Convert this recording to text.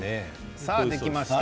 さあ、できました。